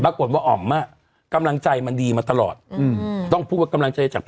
เกราะกวนว่าออ๋อมม่ะกำลังใจมันดีมาตลอดอืมต้องพูดว่ากำลังใจจาก